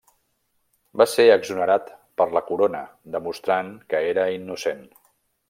Va ser exonerat per la Corona demostrant que era innocent.